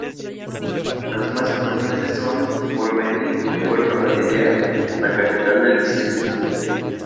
Las más importantes son Porvenir y Puerto Galilea, la capital del distrito.